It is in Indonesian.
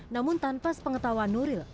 namun tanpa sepengetahuan nuril